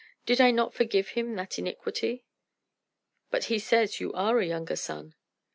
Did I not forgive him that iniquity?" "But he says you are a younger son."